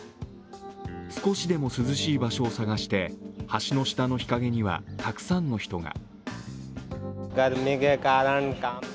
少しでも涼しい場所を探して橋の下の日陰にはたくさんの人が。